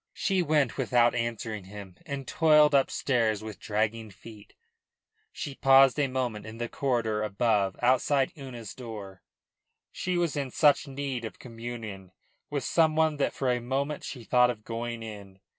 She went without answering him and toiled upstairs with dragging feet. She paused a moment in the corridor above, outside Una's door. She was in such need of communion with some one that for a moment she thought of going in.